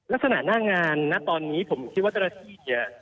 รักษณะหน้างานณตอนนี้ผมคิดว่าจรฐี